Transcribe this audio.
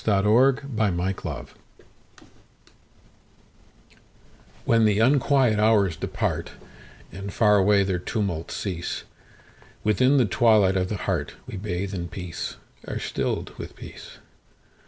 The Hour of Twilight WHEN the unquiet hours departAnd far away their tumults cease, Within the twilight of the heartWe bathe in peace, are stilled with peace.